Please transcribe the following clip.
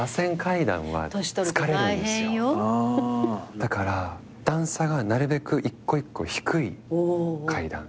だから段差がなるべく一個一個低い階段。